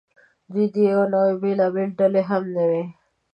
دوی د یوې نوعې بېلابېلې ډلې هم نه وې.